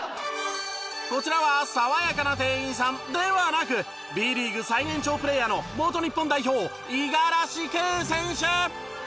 こちらは爽やかな店員さんではなくＢリーグ最年長プレーヤーの元日本代表五十嵐圭選手。